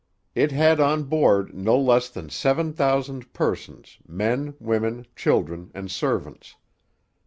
It had on board no less than seven thousand persons, men, women, children, and servants.